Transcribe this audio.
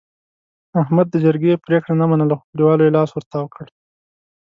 احمد د جرګې پرېګړه نه منله، خو کلیوالو یې لاس ورتاو کړ.